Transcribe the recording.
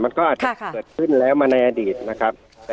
มันก็เกิดขึ้นแล้วมาในอดีต